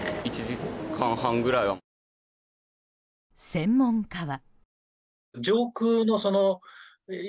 専門家は。